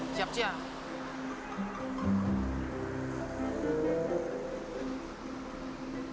nah gua colaborasi nolu engga lupa